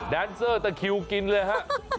แดนเซอร์ตะคิวกินเลยฮะ